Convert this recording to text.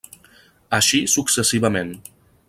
Així successivament.